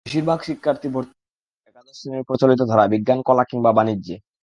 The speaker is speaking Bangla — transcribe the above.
বেশির ভাগ শিক্ষার্থী ভর্তি হচ্ছে একাদশ শ্রেণীর প্রচলিত ধারায়—বিজ্ঞান, কলা কিংবা বাণিজ্যে।